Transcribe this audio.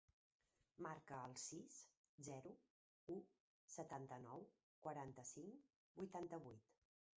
Marca el sis, zero, u, setanta-nou, quaranta-cinc, vuitanta-vuit.